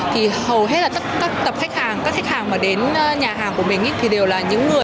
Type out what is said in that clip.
thì hầu hết là các tập khách hàng các khách hàng mà đến nhà hàng của mình thì đều là những người